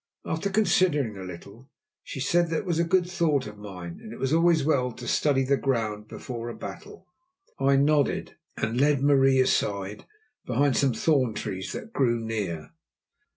After considering a little, she said that was a good thought of mine, as it was always well to study the ground before a battle. I nodded, and led Marie aside behind some thorn trees that grew near.